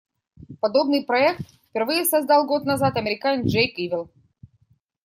Подобный проект впервые создал год назад американец Джейк Ивел.